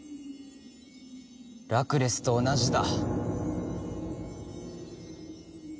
ラクレスと同じだ。